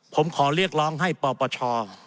ผมขอเรียกร้องให้ปปช